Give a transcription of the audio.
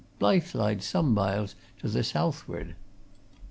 "Um! Blyth lies some miles to the southward."